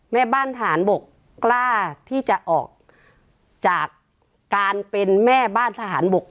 แม่บ้านทหารบกกล้าที่จะออกจากการเป็นแม่บ้านทหารบก